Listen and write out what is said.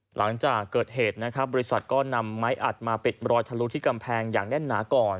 หลังจากเกิดเหตุนะครับบริษัทก็นำไม้อัดมาปิดรอยทะลุที่กำแพงอย่างแน่นหนาก่อน